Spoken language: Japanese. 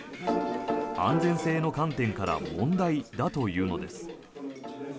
安全性の観点から問題だというのです。